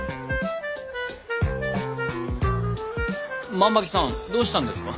万場木さんどうしたんですか？